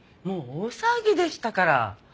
もう大騒ぎでしたから。